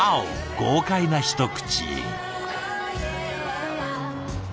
豪快な一口。